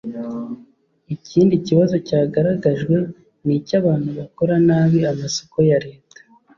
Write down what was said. Ikindi kibazo cyagaragajwe ni icy’abantu bakora nabi amasoko ya Leta